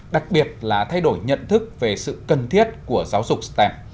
đặc biệt là thay đổi nhận thức về sự cần thiết của giáo dục stem